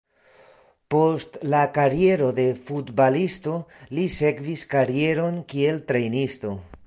Post la kariero de futbalisto, li sekvis karieron kiel trejnisto.